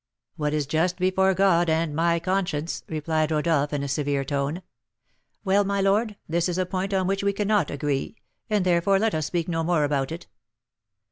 "What is just before God and my own conscience," replied Rodolph, in a severe tone. "Well, my lord, this is a point on which we cannot agree, and therefore let us speak no more about it."